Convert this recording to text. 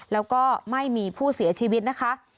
แล้วก็ไม่มีผู้เสียชีวิตนะคะ